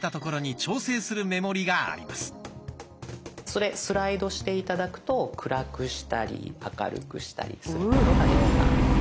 それスライドして頂くと暗くしたり明るくしたりすることができます。